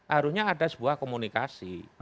harunya ada sebuah komunikasi